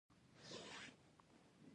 لږ شراب ستا د معدې په ویاړ راواخله.